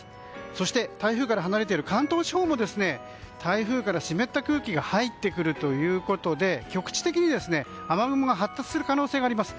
そして台風から離れている関東地方も台風から湿った空気が入ってくるということで局地的に雨雲が発達する可能性があります。